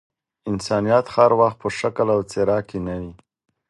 انسانيت هر وخت په شکل او څهره کي نه وي.